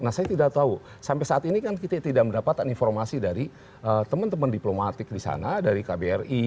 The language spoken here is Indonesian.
nah saya tidak tahu sampai saat ini kan kita tidak mendapatkan informasi dari teman teman diplomatik di sana dari kbri